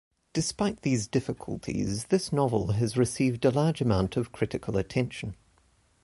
Despite these difficulties, this novel has received a large amount of critical attention.